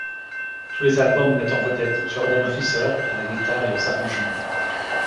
Tous les albums mettent en vedette Jordan Officer à la guitare et aux arrangements.